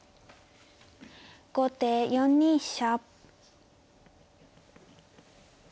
後手４二飛車。